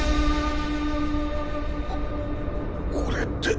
ここれって！